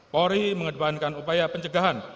pori mengedepankan upaya pencegahan